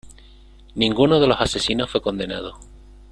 Ninguno de los asesinos fue condenado.